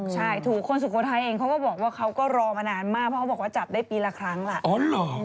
ใช่ถูกคนสุโขทัยเองเขาก็บอกว่าเขาก็รอมานานมากเพราะเขาบอกว่าจับได้ปีละครั้งล่ะ